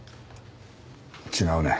違うね。